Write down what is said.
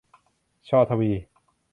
ช ทวี